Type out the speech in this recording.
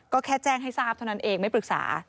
ก็แค่แจ้งให้ทราบเท่านั้นเองไม่ปรึกษา